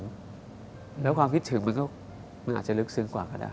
บ๊วยบ๊วยแล้วความคิดถึงมันก็อาจจะลึกซึ้งกว่าก็ได้